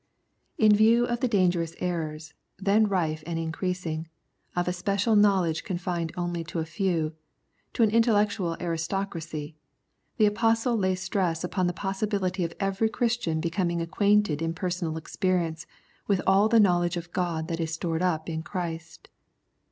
In view of the 86 Conflict and Comfort dangerous errors, then rife and increasing, of a special knowledge confined only to a few, to an intellectual aristocracy, the Apostle lays stress upon the possibility of every Christian becoming acquainted in personal experience with all the knowledge of God that is stored up in Christ.